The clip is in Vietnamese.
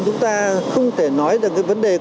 chúng ta không thể nói là cái vấn đề